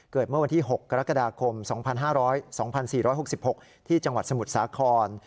เมื่อวันที่๖กรกฎาคม๒๕๒๔๖๖ที่จังหวัดสมุทรสาคร